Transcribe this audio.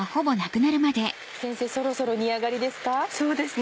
先生そろそろ煮上がりですか？